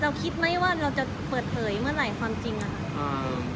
เราจะคิดไหมว่าเราจะเปิดเผยเมื่อไหร่ความจริง